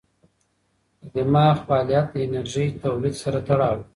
د دماغ فعالیت د انرژۍ تولید سره تړاو لري.